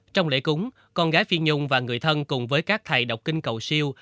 trong lễ cúng con gái phi nhung và người thân cùng với các thầy độc kinh cầu siêu